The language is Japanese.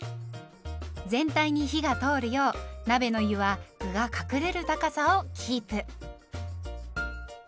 全体に火が通るよう鍋の湯は具が隠れる高さをキープ。